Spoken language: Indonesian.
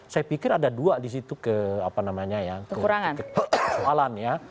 saya pikir ada dua di situ ke apa namanya ya ke persoalan ya